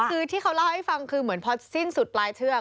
คือที่เขาเล่าให้ฟังคือเหมือนพอสิ้นสุดปลายเชือก